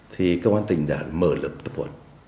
thì công an tỉnh đã mở lực tập huẩn